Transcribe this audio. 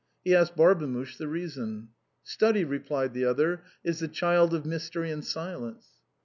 He asked Barbemuche the reason. " Study," replied the other, " is the child of mystery and silence."